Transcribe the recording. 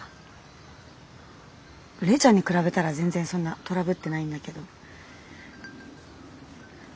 玲ちゃんに比べたら全然そんなトラブってないんだけど。